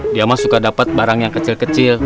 dia mah suka dapat barang yang kecil kecil